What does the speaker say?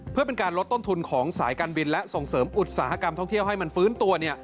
เพื่อเป็นการลดต้นทุนของสายการบินและส่งเสริมอุตสาหกรรมท่องเที่ยวให้มันฟื้นตัว